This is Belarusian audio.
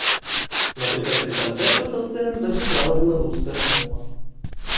Напрыканцы канцэрта са сцэны загучала беларуская мова!